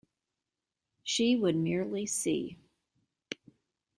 She would merely see.